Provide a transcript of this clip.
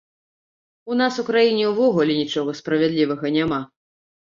У нас у краіне ўвогуле нічога справядлівага няма.